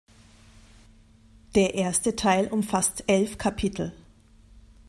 Der erste Teil umfasst elf Kapitel.